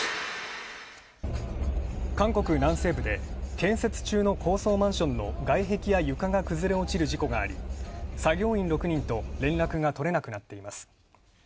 韓国・南西部で建設中の高層マンションの床が崩れ落ちる事故があり、作業員６人と連絡がとれなくなっています。